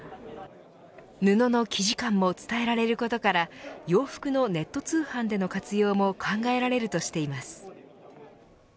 布の生地感も伝えられることから洋服のネット通販での活用も考えられるとしています。